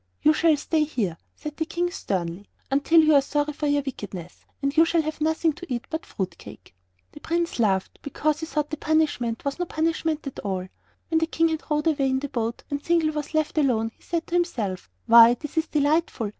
"You shall stay here," said the King, sternly, "until you are sorry for your wickedness; and you shall have nothing to eat but fruit cake." The Prince laughed, because he thought the punishment was no punishment at all. When the King had rowed away in the boat and Zingle was left alone, he said to himself: "Why, this is delightful!